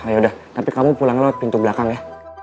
yaudah tapi kamu pulang lewat pintu belakang ya